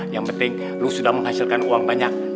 yang penting lu sudah menghasilkan uang banyak